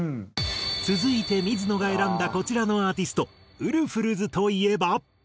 続いて水野が選んだこちらのアーティストウルフルズといえば。